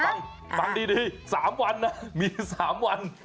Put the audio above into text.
ฟังฟังดี๓วันนะมี๓วัน